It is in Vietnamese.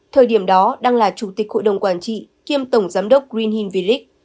thời điểm đó đang là chủ tịch hội đồng quản trị kiêm tổng giám đốc green hill village